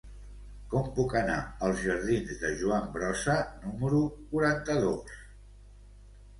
Com puc anar als jardins de Joan Brossa número quaranta-dos?